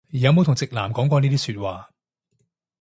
有冇同直男講過呢啲説話